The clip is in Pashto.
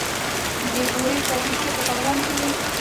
د بورې فابریکه په بغلان کې وه